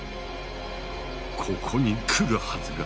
ここに来るはずが。